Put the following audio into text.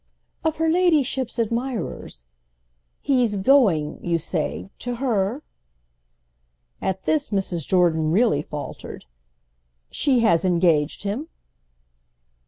"Of her ladyship's admirers. He's 'going,' you say, to her?" At this Mrs. Jordan really faltered. "She has engaged him."